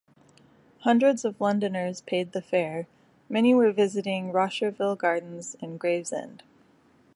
Hundreds of Londoners paid the fare; many were visiting Rosherville Gardens in Gravesend.